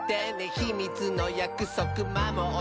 「ひみつのやくそくまもったら」